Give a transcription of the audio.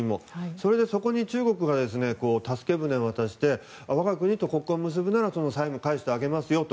それでそこに中国が助け舟を出して我が国と国交を結べば債務を返してあげますよと。